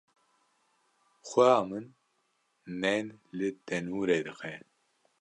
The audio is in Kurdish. Xweha min nên li tenûrê dixe.